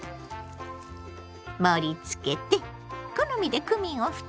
盛りつけて好みでクミンをふってね。